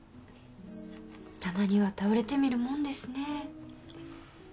たまには倒れてみるもんですねえ